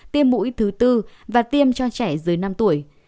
tiêm mũi thứ tư và tiêm cho trẻ dưới năm tuổi